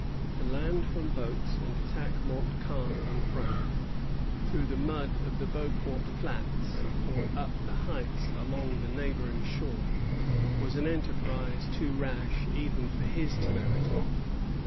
To land from boats and attack Montcalm in front, through the mud of the Beauport flats or up the heights along the neighboring shore, was an enterprise too rash even for his temerity.